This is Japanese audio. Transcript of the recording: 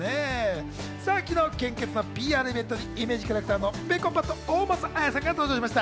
昨日、献血のＰＲイベントにイメージキャラクターのぺこぱと大政絢さんが登場しました。